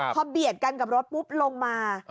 พอเบียดกันกับรถปุ๊บลงมา